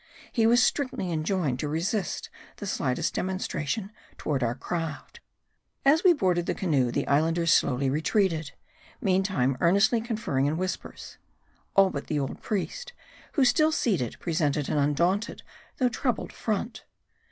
He was strictly enjoined to resist the slightest demonstration toward our craft. As we boarded the canoe, the Islanders slowly retreated ; meantime earnestly conferring in whispers ; all but the old priest, who, still seated, presented an undaunted though troubled front.